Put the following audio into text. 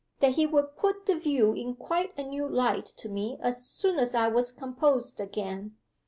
that he would put the view in quite a new light to me as soon as I was composed again.